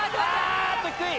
あっと低い！